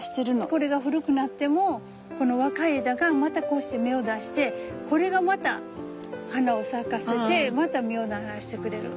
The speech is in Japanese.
これが古くなってもこの若い枝がまたこうして芽を出してこれがまた花を咲かせてまた実をならしてくれる。